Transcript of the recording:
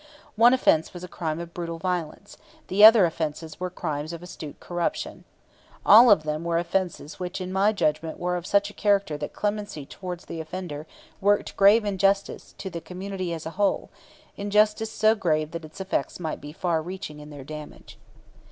One offense was a crime of brutal violence; the other offenses were crimes of astute corruption. All of them were offenses which in my judgment were of such a character that clemency towards the offender worked grave injustice to the community as a whole, injustice so grave that its effects might be far reaching in their damage.